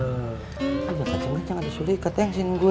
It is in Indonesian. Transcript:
lo bahkan cengkacang ada sulit katengsin gue